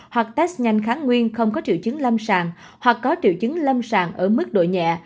hoặc test nhanh kháng nguyên không có triệu chứng lâm sàng hoặc có triệu chứng lâm sàng ở mức độ nhẹ